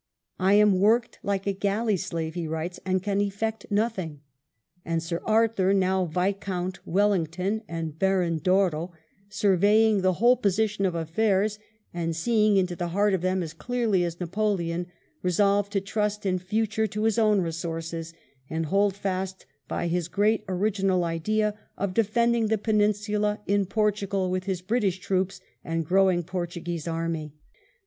" I am worked like a galley slave," he writes, " and can effect nothing ;" and Sir Arthur, now Viscount Wellington and Baron Douro, surveying the whole position of affairs, and seeing into the heart of them as clearly as Napoleon, resolved to trust in future to his own resources, and hold fast by his great original idea of defending the Peninsula in Portugal with his British troops and growing Portuguese army.